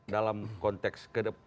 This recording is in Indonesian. dalam konteks pemerintahan